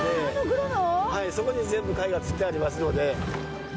はいそこに全部貝がつってありますので。